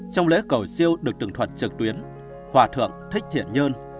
trong lễ cầu siêu được tưởng thuật trực tuyến hòa thượng thích thiện nhơn